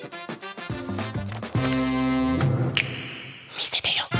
みせてよ。